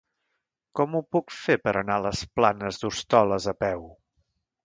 Com ho puc fer per anar a les Planes d'Hostoles a peu?